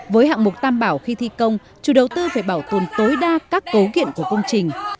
với hạng mục tam bảo khi thi công chủ đầu tư phải bảo tồn tối đa các cấu kiện của công trình